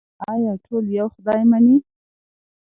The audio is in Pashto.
آیا ټول یو خدای مني؟